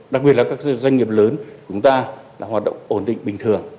đặc biệt là các doanh nghiệp lớn của chúng ta là hoạt động ổn định bình thường